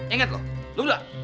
ingat lu udah